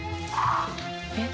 えっ？